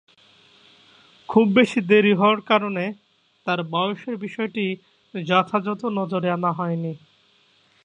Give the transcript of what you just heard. খুব বেশি দেরি হওয়ার কারণে তার বয়সের বিষয়টি যথাযথ নজরে আনা হয়নি।